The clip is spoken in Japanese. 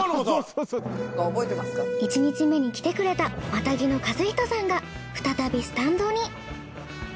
１日目に来てくれたマタギの和仁さんが再びスタンドに。